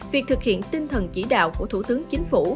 việc thực hiện tinh thần chỉ đạo của thủ tướng chính phủ